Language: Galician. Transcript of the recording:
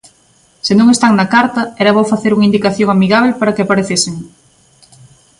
Se non están na carta, era bo facer unha indicación amigábel para que aparecesen.